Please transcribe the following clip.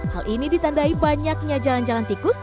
hal ini ditandai banyaknya jalan jalan tikus